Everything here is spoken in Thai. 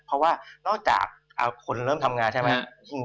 เพราะว่านอกจากคนเริ่มทำงานใช่ไหม